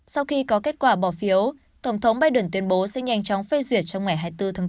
sau khi có kết quả bỏ phiếu tổng thống biden tuyên bố sẽ nhanh chóng phê duyệt trong ngày hai mươi bốn tháng bốn